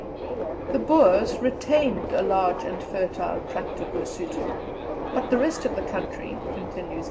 The Boers retained a large and fertile tract of Lessuto, but the rest of the country, continues M.